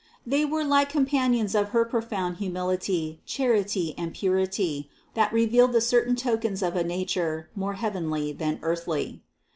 They were like companions of her profound humility, charity and purity, that revealed the certain tokens of a nature more heavenly than earthly.